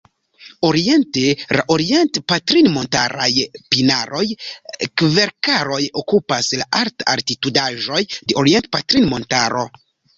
Oriente, la orient-patrinmontaraj pinaroj-kverkaroj okupas la alta-altitudaĵojn de Orienta Patrinmontaro.